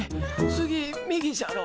次右じゃろ。